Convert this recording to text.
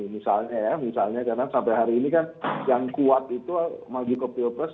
misalnya ya misalnya karena sampai hari ini kan yang kuat itu maju ke pilpres